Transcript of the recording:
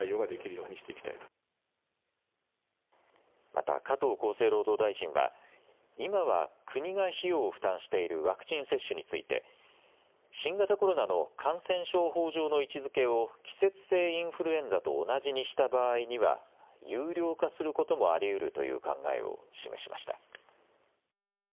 また加藤厚生労働大臣は今は国が費用を負担しているワクチン接種について新型コロナの感染症法上の位置づけを季節性インフルエンザと同じにした場合には有料化することもありうるという考えを示しました。